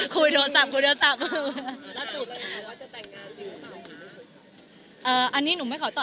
คุยโทรศัพท์ว่าจะแต่งงานจริงหรือเปล่าเอ่ออันนี้หนูไม่ขอตอบ